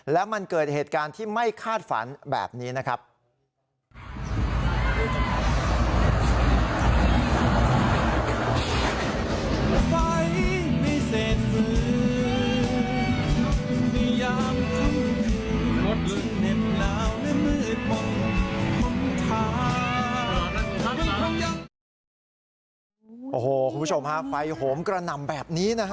แล้วมันเกิดเหตุการณ์ที่ไม่คาดฝันแบบนี้นะครับ